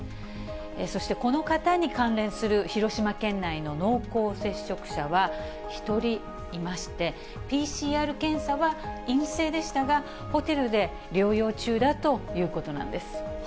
そして、この方に関連する広島県内の濃厚接触者は１人いまして、ＰＣＲ検査は陰性でしたが、ホテルで療養中だということなんです。